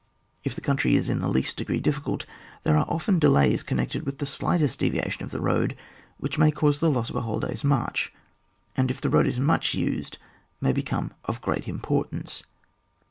If the country is in the least degree difficult, there are often delays connected with the slightest deviation of the road which may cause the loss of a whole day's march, and, if the road is much iiBed, may become of great importance.